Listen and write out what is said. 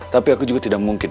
tapi aku juga tidak mungkin